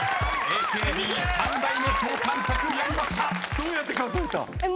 どうやって数えた？